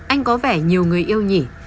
anh có vẻ nhiều người yêu nhỉ